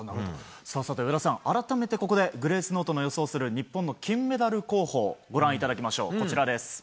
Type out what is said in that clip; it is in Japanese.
上田さん、改めてここでグレースノートの予想する日本の金メダル候補をご覧いただきましょう。